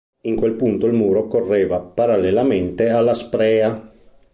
In quel punto il muro correva parallelamente alla Sprea.